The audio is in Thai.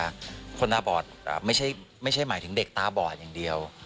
คนตาบอดไม่ใช่หมายถึงเด็กตาบอดอย่างเดียว